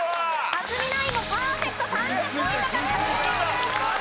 克実ナインもパーフェクト３０ポイント獲得です！